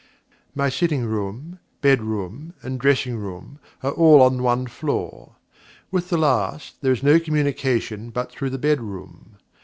My sitting room, bedroom, and dressing room, are all on one floor. With the last, there is no communication but through the bedroom.